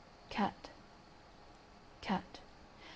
… Cat!… Cat!